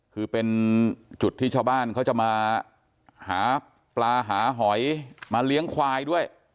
คือเป็นจุดที่ชาวบ้านเขาจะมาหาปลาหาหอยมาเลี้ยงควายด้วย